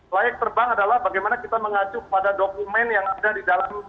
layak terbang adalah bagaimana kita mengacu kepada dokumen yang ada di dalam